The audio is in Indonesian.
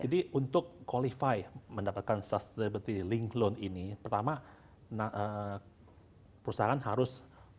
jadi untuk qualify mendapatkan sustainability linked loan ini pertama perusahaan harus